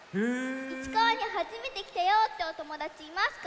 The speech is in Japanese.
いちかわにはじめてきたよっておともだちいますか？